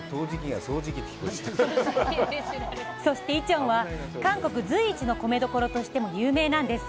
そしてイチョンは韓国随一の米どころとしても有名なんです